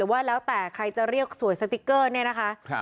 ว่าแล้วแต่ใครจะเรียกสวยสติ๊กเกอร์เนี่ยนะคะ